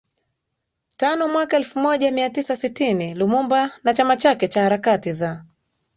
tano mwaka elfu moja mia tisa sitini Lumumba na chama chake cha harakati za